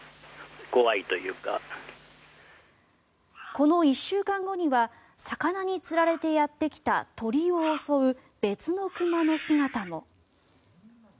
この１週間後には魚につられてやってきた鳥を襲う別の熊の姿も。